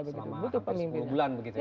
selama sepuluh bulan begitu ya